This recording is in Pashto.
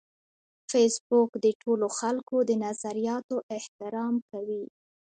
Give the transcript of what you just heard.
فېسبوک د ټولو خلکو د نظریاتو احترام کوي